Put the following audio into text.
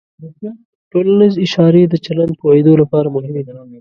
ټولنیز اشارې د چلند پوهېدو لپاره مهمې دي.